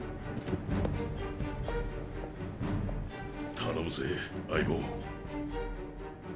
頼むぜ相棒。